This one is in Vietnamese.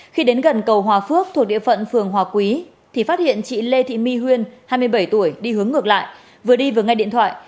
khi đến gần cầu hòa phước thuộc địa phận phường hòa quý thì phát hiện chị lê thị my huyên hai mươi bảy tuổi đi hướng ngược lại vừa đi vừa ngay điện thoại